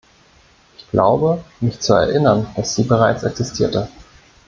Ich glaube, mich zu erinnern, dass sie bereits existierte.